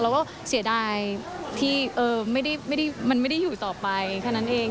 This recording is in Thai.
เราก็เสียดายที่มันไม่ได้อยู่ต่อไปแค่นั้นเอง